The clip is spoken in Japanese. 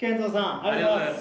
ありがとうございます。